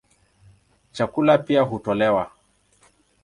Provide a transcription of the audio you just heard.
Chakula pia hutolewa.